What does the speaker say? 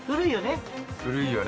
・古いよね。